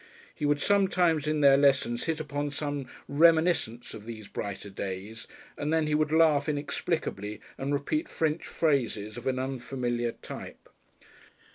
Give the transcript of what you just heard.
He would sometimes in their lessons hit upon some reminiscence of these brighter days, and then he would laugh inexplicably and repeat French phrases of an unfamiliar type.